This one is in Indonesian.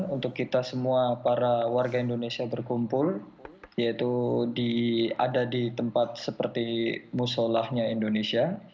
untuk kita semua para warga indonesia berkumpul yaitu ada di tempat seperti musolahnya indonesia